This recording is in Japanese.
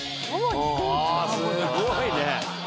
あすごいね。